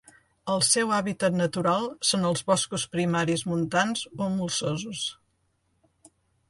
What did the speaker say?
El seu hàbitat natural són els boscos primaris montans o molsosos.